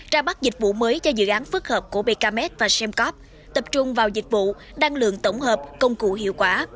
ra bắt dịch vụ mới cho dự án phức hợp của becamec và semcop tập trung vào dịch vụ đăng lượng tổng hợp công cụ hiệu quả